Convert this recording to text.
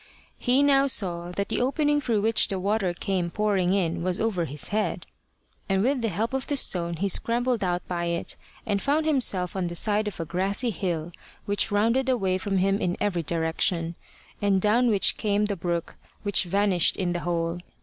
He now saw that the opening through which the water came pouring in was over his head, and with the help of the stone he scrambled out by it, and found himself on the side of a grassy hill which rounded away from him in every direction, and down which came the brook which vanished in the hole.